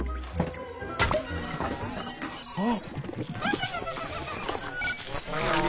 あっ。